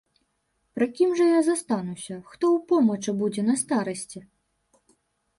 Пры кім жа я застануся, хто ў помачы будзе на старасці?